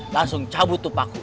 langsung cabut tupaku